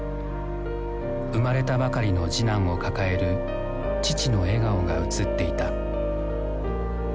生まれたばかりの次男を抱える父の笑顔がうつっていた。